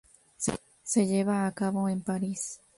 Se lleva a cabo en París.